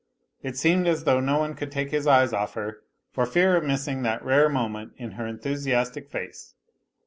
It seemed as though no one could take his eyes off her for fear of missing that rare moment in her enthusiastic face.